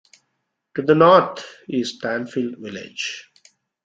To the north is Tanfield village.